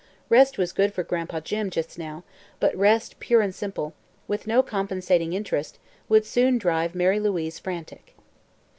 Rest was good for Gran'pa Jim, just now, but rest pure and simple, with no compensating interest, would soon drive Mary Louise frantic.